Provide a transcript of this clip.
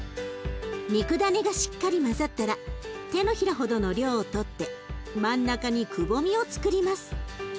肉だねがしっかり混ざったら手のひらほどの量を取って真ん中にくぼみをつくります。